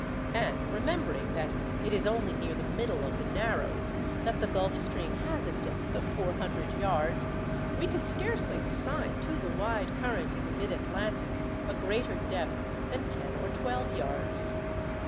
And remembering that it is only near the middle of the Narrows that the Gulf Stream has a depth of four hundred yards, we could scarcely assign to the wide current in the mid Atlantic a greater depth than ten or twelve yards.